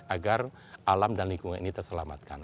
agar alam dan lingkungan ini terselamatkan